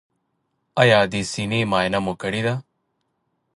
ایا د سینې معاینه مو کړې ده؟